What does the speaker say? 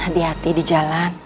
hati hati di jalan